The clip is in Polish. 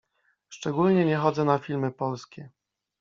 Szczególnie nie chodzę na filmy polskie